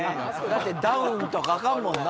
だってダウンとかアカンもんな。